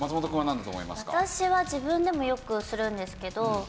私は自分でもよくするんですけど。